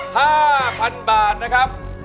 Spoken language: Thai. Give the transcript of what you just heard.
โดรค่า๕๐๐๐บาทนะครับ